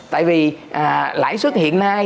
tại vì lãi xuất hiện nay